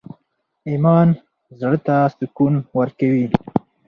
ایمان زړه ته سکون ورکوي؟